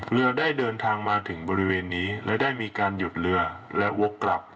เรือได้เดินทางมาถึงบริเวณนี้และได้มีการหยุดเรือและวกกลับ